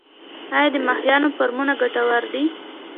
آیا د ماهیانو فارمونه ګټور دي؟